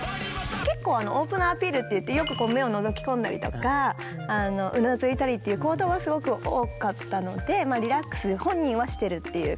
結構オープナーアピールっていってよく目をのぞき込んだりとかうなずいたりっていう行動はすごく多かったのでリラックス本人はしてるっていう。